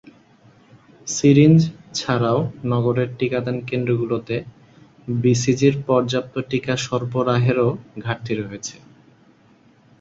Syringe ছাড়াও নগরের টিকাদান কেন্দ্রগুলোতে বিসিজির পর্যাপ্ত টিকা সরবরাহেরও ঘাটতি রয়েছে।